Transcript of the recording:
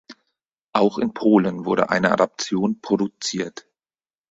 Auch in Polen wurde eine Adaption produziert.